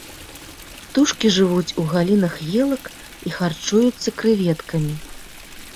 Птушкі жывуць у галінах елак і харчуюцца крэветкамі.